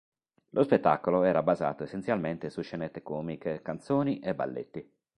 Lo spettacolo era basato essenzialmente su scenette comiche, canzoni e balletti.